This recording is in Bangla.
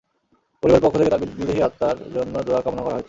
পরিবারের পক্ষ থেকে তাঁর বিদেহী আত্মার জন্য দোয়া কামনা করা হয়েছে।